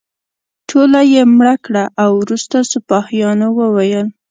ټوله یې مړه کړه او وروسته سپاهیانو وویل.